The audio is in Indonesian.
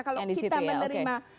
kalau kita menerima